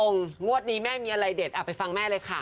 งวดนี้แม่มีอะไรเด็ดไปฟังแม่เลยค่ะ